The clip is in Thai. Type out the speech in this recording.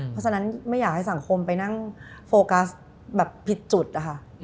เพราะฉะนั้นไม่อยากให้สังคมไปนั่งโฟกัสแบบผิดจุดอะค่ะ